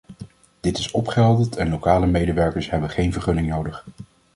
Dit is opgehelderd en lokale medewerkers hebben geen vergunning nodig.